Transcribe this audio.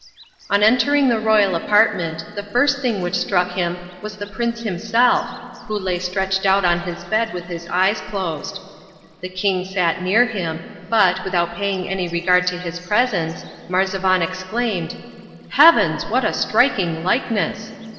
On entering the royal apartment the first thing which struck him was the prince himself, who lay stretched out on his bed with his eyes closed. The king sat near him, but, without paying any regard to his presence, Marzavan exclaimed, "Heavens! what a striking likeness!"